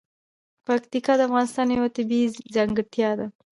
پکتیکا د افغانستان یوه طبیعي ځانګړتیا ده.